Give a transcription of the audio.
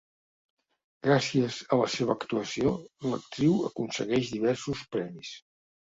Gràcies a la seva actuació, l'actriu, aconsegueix diversos premis.